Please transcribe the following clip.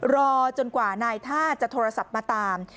รอจนกว่านายท่าจะโทรศัพท์มาตาม